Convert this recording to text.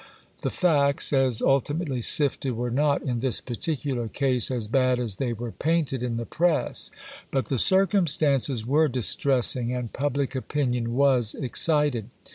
The facts, as ultimately sifted, were not in this particular case as bad as they were painted in the press, but the circumstances were distressing and public opinion was excited.